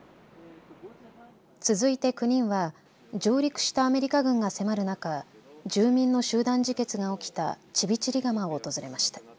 続いて９人は上陸したアメリカ軍が迫る中住民の集団自決が起きたチビチリガマを訪れました。